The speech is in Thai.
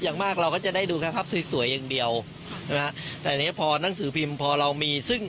อย่างมากเราก็จะได้ดูแค่ภาพสวยอย่างเดียวแต่พอนังสือพิมพ์พอเรามี